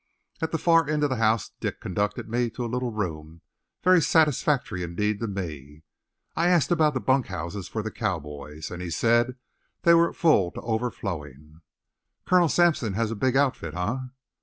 At the far end of the house Dick conducted me to a little room, very satisfactory indeed to me. I asked about bunk houses for the cowboys, and he said they were full to overflowing. "Colonel Sampson has a big outfit, eh?"